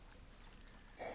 えっ？